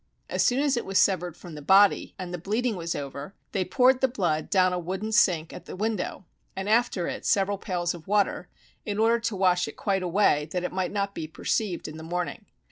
As soon as it was severed from the body, and the bleeding was over, they poured the blood down a wooden sink at the window, and after it several pails of water, in order to wash it quite away that it might not be perceived in the morning.